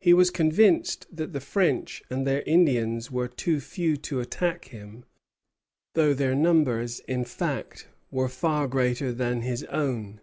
He was convinced that the French and their Indians were too few to attack him, though their numbers in fact were far greater than his own.